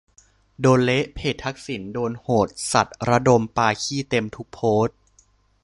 โดนเละ เพจทักษิณโดนโหดสัสระดมปาขี้เต็มทุกโพสต์